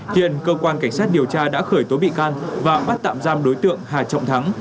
hiện cơ quan cảnh sát điều tra đã khởi tố bị can và bắt tạm giam đối tượng hà trọng thắng